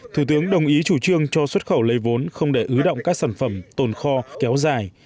thủ tướng đồng ý chủ trương cho xuất khẩu lấy vốn không để ứ động các sản phẩm tồn kho kéo dài